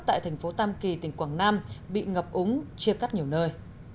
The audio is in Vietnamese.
tại thành phố tam kỳ tỉnh quảng nam bị ngập úng chia cắt nhiều nơi